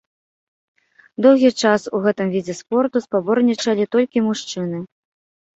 Доўгі час у гэтым відзе спорту спаборнічалі толькі мужчыны.